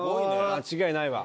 間違いないわ。